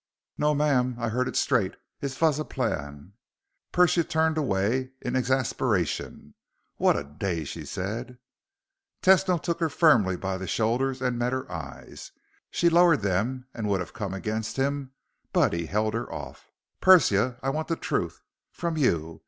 "No, ma'am, I heard it straight. It vas a plan." Persia turned away in exasperation. "What a day!" she said. Tesno took her firmly by the shoulders and met her eyes. She lowered them and would have come against him, but he held her off. "Persia, I want the truth. From you.